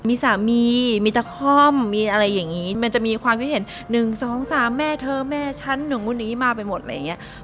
มีสามีมีตะค่อมมีอะไรอย่างนี้มันจะมีความคิดเห็น๑๒๓แม่เธอแม่ฉันหนึ่งนู่นอย่างนี้มาไปหมดอะไรอย่างนี้